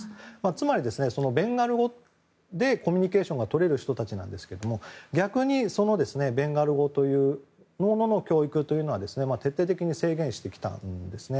つまり、ベンガル語でコミュニケーションがとれる人たちですが逆に、ベンガル語の教育は徹底的に制限してきたんですね。